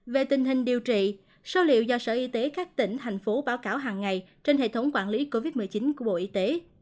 về tình hình điều trị số liệu do sở y tế các tỉnh thành phố báo cáo hàng ngày trên hệ thống quản lý covid một mươi chín của bộ y tế